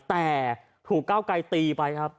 แต่ถูกก้าวไกลตีไปครับ